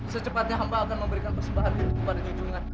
secepatnya hamba akan memberikan pesan bahan kepada tuntungan